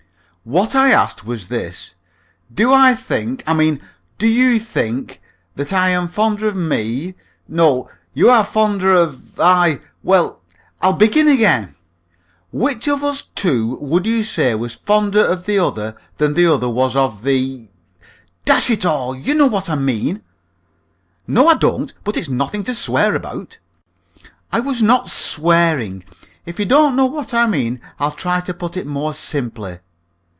"What I asked was this. Do I think I mean, do you think that I am fonder of me no, you are fonder of I well, I'll begin again. Which of us two would you say was fonder of the other than the other was of the dash it all, you know what I mean!" "No, I don't, but it's nothing to swear about." "I was not swearing. If you don't know what I mean, I'll try to put it more simply.